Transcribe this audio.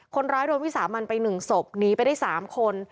คนร้ายโดนวิสามันไปหนึ่งศพหนีไปได้สามคน